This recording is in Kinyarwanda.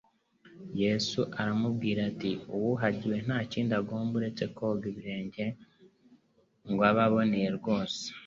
Yesu aramubwira ati: "Uwuhagiwe nta kindi agomba uretse koga ibirenge ngo abe aboneye rwose."